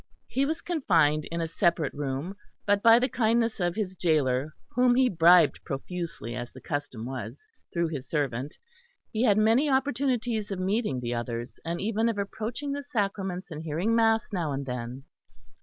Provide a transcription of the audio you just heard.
He was confined in a separate room; but by the kindness of his gaoler whom he bribed profusely as the custom was, through his servant, he had many opportunities of meeting the others; and even of approaching the sacraments and hearing mass now and then.